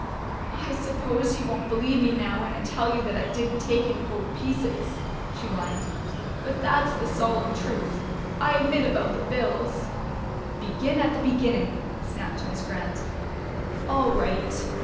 "I suppose you won't believe me now when I tell you that I didn't take any gold pieces," she whined. "But that's the solemn truth. I admit about the bills " "Begin at the beginning," snapped Miss Grant. "All right.